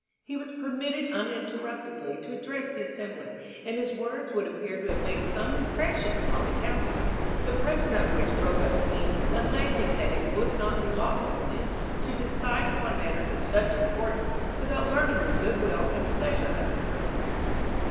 He was permitted uninterruptedly to address the assembly, and his words would appear to have made some impression upon the council, the president of which broke up the meeting, alleging that it would not be lawful for them to decide upon matters of such importance without learning the good will and pleasure of the Countess.